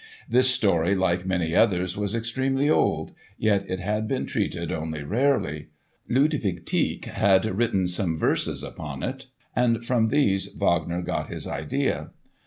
This story like many others was extremely old, yet it had been treated only rarely. Ludwig Tieck had written some verses upon it, and from these Wagner got his idea.